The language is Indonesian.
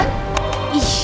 ih kok gitu sih